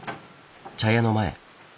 茶屋の前。